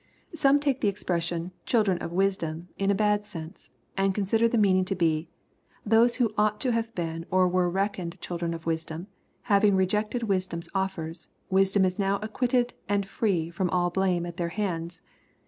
Some take the expression " children of wisdom " in a bad sense, and consider the meaning to be, '' those who ought to have been, or were reckoned children of wisdom, having rejected wisdom's offers, wisdom is now acquitted and free from all blame at their hands.